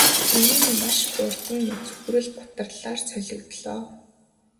Энэ нь маш хурдан цөхрөл гутралаар солигдлоо.